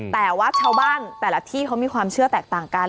แต่ว่าชาวบ้านแต่ละที่เขามีความเชื่อแตกต่างกัน